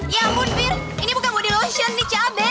ya ampun fir ini bukan body lotion ini cabai